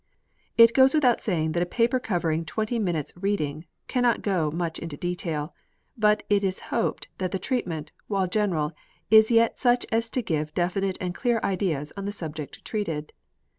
It goes without saying that a paper covering twenty minutes' reading cannot go much into detail, but it is hoped that the treatment, while general, is yet such as to give definite and clear ideas on the subject treated.